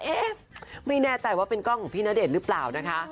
ไม่แน่ใจว่าเป็นกล้องของพี่ณเดชน์หรือเปล่านะคะ